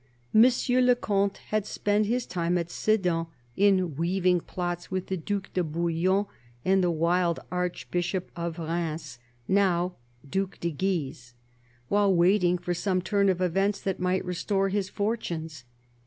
Monsieur le Comte had spent his time at Sedan in weaving plots with the Due de Bouillon and the wild Archbishop of Rheims, now Due de Guise, while waiting for some turn of events that might restore his fortunes.